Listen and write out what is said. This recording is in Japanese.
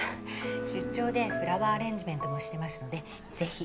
出張でフラワーアレンジメントもしてますのでぜひ。